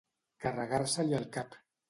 Carregar-se-li el cap.